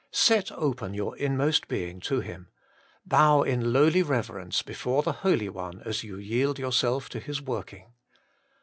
Set open your inmost being to Him; bow in lowly reverence before the Holy One as you yield yourself to His working.